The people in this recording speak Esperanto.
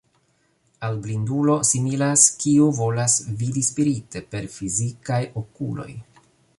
Al blindulo similas kiu volas vidi spirite per fizikaj okuloj.